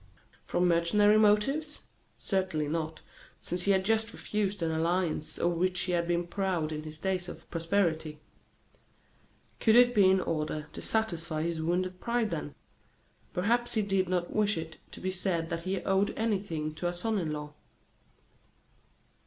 From mercenary motives? Certainly not, since he had just refused an alliance of which he had been proud in his days of prosperity. Could it be in order to satisfy his wounded pride, then? Perhaps he did not wish it to be said that he owed anything to a son in law.